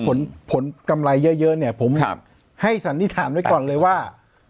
ผลผลกำไรเยอะเนี่ยผมให้สันนิษฐานไว้ก่อนเลยว่า